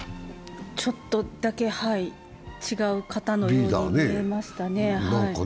ちょっとだけ、はい、違う方のように見えましたね。